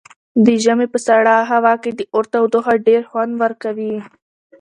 د ژمي په سړه هوا کې د اور تودوخه ډېره خوند ورکوي.